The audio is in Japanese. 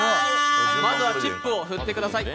まずはチップを振ってください。